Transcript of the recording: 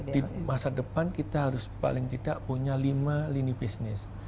di masa depan kita harus paling tidak punya lima lini bisnis